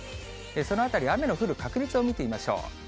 そのあたり、雨の降る確率を見てみましょう。